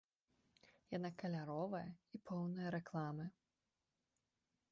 Яна каляровая, і поўная рэкламы.